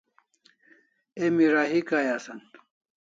Emi rahi Kai asan